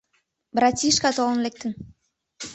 «Братишка» толын лектын!